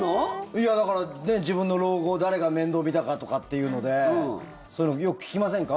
いや、だから自分の老後を誰が面倒見たかとかっていうのでそういうのよく聞きませんか？